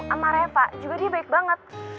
sama reva juga dia baik banget